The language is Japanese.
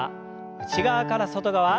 内側から外側。